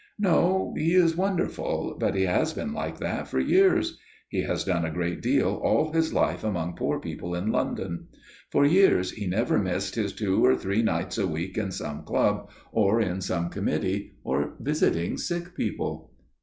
"No, he is wonderful, but he has been like that for years. He has done a great deal all his life among poor people in London. For years he never missed his two or three nights a week in some club, or on some committee, or visiting sick people."